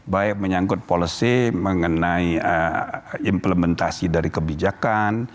baik menyangkut policy mengenai implementasi dari kebijakan